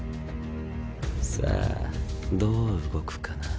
さぁどう動くかな。